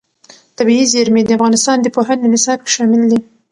طبیعي زیرمې د افغانستان د پوهنې نصاب کې شامل دي.